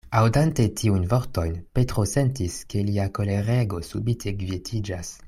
Aŭdante tiujn vortojn, Petro sentis, ke lia kolerego subite kvietiĝas.